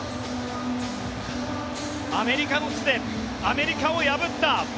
アメリカの地でアメリカを破った。